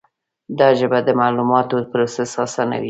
دا ژبه د معلوماتو پروسس آسانوي.